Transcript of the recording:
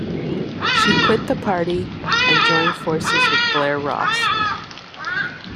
She quit the party, and joined forces with Blair Ross.